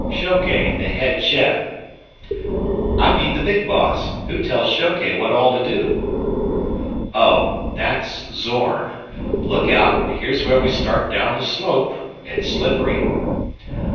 "Shoke, the head chef." "I mean the big boss. Who tells Shoke what all to do?" "Oh, that's Zorn. Look out, here's where we start down the slope. It's slippery."